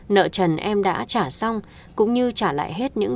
nợ trần em đã trả xong cũng như trả lại hết những